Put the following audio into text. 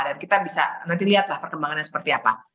dan kita bisa nanti lihatlah perkembangannya seperti apa